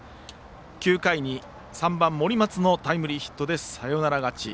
９回に３番、森松のタイムリーヒットでサヨナラ勝ち。